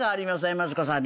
マツコさんに。